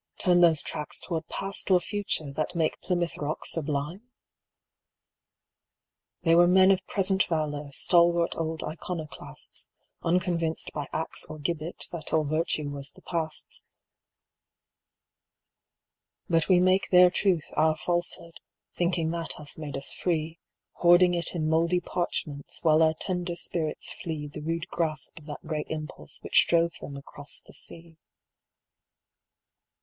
Turn those tracks toward Past or Future, that make Plymouth Rock sublime? They were men of present valor, stalwart old iconoclasts, Unconvinced by axe or gibbet that all virtue was the Past's; But we make their truth our falsehood, thinking that hath made us free, Hoarding it in mouldy parchments, while our tender spirits flee The rude grasp of that great Impulse which drove them across the sea.